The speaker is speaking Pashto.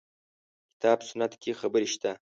کتاب سنت کې خبرې شته.